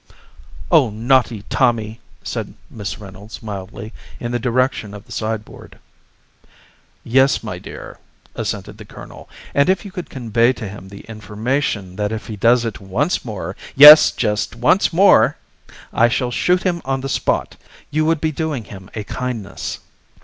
"Oh, naughty Tommy!" said Miss Reynolds mildly, in the direction of the sideboard. "Yes, my dear," assented the colonel; "and if you could convey to him the information that if he does it once more yes, just once more! I shall shoot him on the spot you would be doing him a kindness."